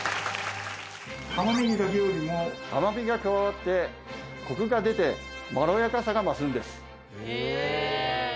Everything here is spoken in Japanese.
玉ねぎだけよりも甘みが加わってコクが出てまろやかさが増すんです。